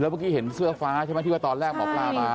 เมื่อกี้เห็นเสื้อฟ้าใช่ไหมที่ว่าตอนแรกหมอปลามา